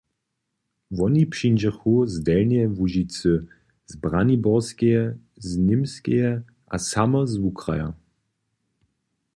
Woni přińdźechu z Delnjeje Łužicy, z Braniborskeje, z Němskeje a samo z wukraja.